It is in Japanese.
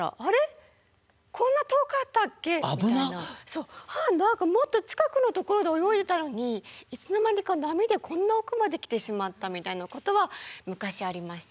そう何かもっと近くのところで泳いでたのにいつの間にか波でこんな奥まで来てしまったみたいなことは昔ありました。